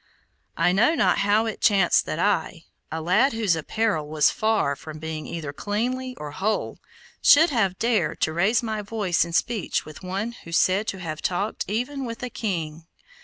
I know not how it chanced that I, a lad whose apparel was far from being either cleanly or whole, should have dared to raise my voice in speech with one who was said to have talked even with a king.